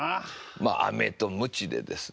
まあアメとムチでですね